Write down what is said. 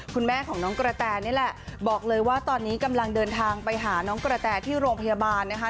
คุณแม่ของน้องกระแตนี่แหละบอกเลยว่าตอนนี้กำลังเดินทางไปหาน้องกระแตที่โรงพยาบาลนะคะ